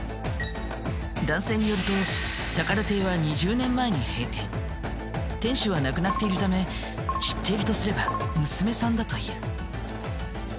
男性によると宝亭は店主は亡くなっているため知っているとすれば娘さんだという。